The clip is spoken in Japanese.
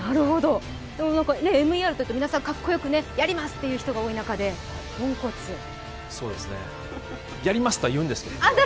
でもＭＥＲというと、皆さんかっこよく「やります」という方が多い中で、そうですね、「やります」とは言うんですけど。